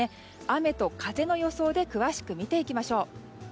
雨と風の予想で詳しく見ていきましょう。